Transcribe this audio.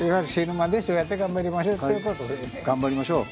頑張りましょう。